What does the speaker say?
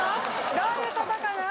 どういうことかな？